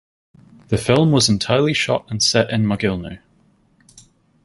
The film was entirely shot and set in Mogilno.